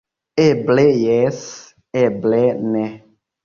Eble jes, eble ne.